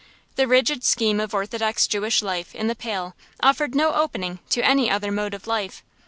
The rigid scheme of orthodox Jewish life in the Pale offered no opening to any other mode of life.